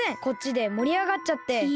こっちでもりあがっちゃって。